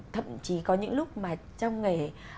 thậm chí có những lúc mà trong nghề